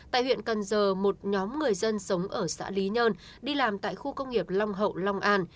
tại huyện cần giờ một nhóm người dân sống ở xã lý nhơn đi làm tại khu công nghiệp long hậu long an